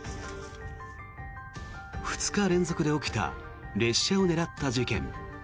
２日連続で起きた列車を狙った事件。